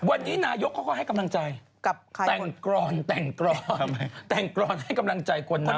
วันนี้นายกเขาก็ให้กำลังใจแต่งกรอนให้กำลังใจกว่าน้ำอ้วม